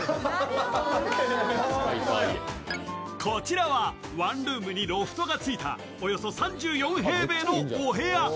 こちらはワンルームにロフトがついたおよそ３４平米のお部屋。